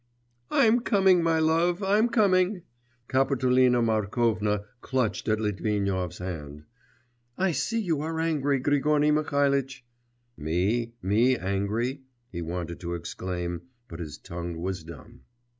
'I'm coming, my love, I'm coming....' Kapitolina Markovna clutched at Litvinov's hand. 'I see you are angry, Grigory Mihalitch.'... ('Me! me angry?' he wanted to exclaim, but his tongue was dumb.)